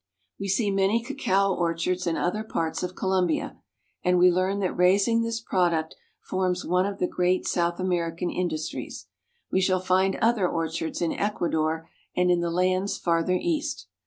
We see many cacao orchards in other parts of Colombia, and we learn that raising this product forms one of the great South American industries. We shall find other orchards in Ecuador and in the lands farther east.